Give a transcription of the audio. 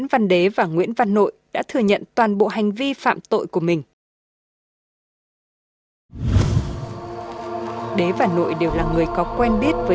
và nhìn xung quanh nhà thì thấy ở một cái vị trí sát cây sổ